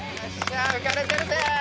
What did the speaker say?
浮かれてるぜ！